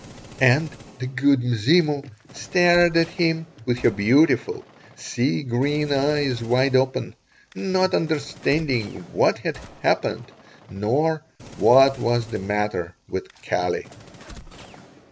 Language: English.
And the "Good Mzimu" stared at him, with her beautiful, sea green eyes wide open, not understanding what had happened nor what was the matter with Kali.